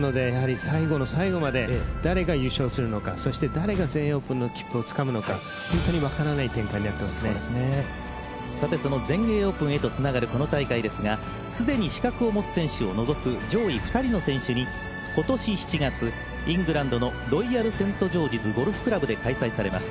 最後の最後まで誰が優勝するのかそして誰が全英オープンへの切符をつかむのか、本当にその全英オープンへとつながるこの大会ですが既に資格を持つ選手を除く上位２人の選手に今年７月イングランドのロイヤル・セントジョージズ・ゴルフクラブで開催されます